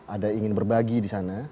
ada ingin berbagi di sana